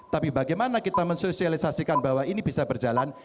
tapi bagaimana kita mensosialisasikan bahwa ini bisa berjalan